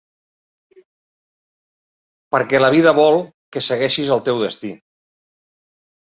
Perquè la vida vol que segueixis el teu destí.